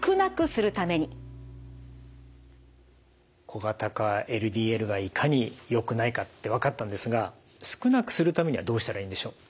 小型化ＬＤＬがいかによくないかって分かったんですが少なくするためにはどうしたらいいんでしょう？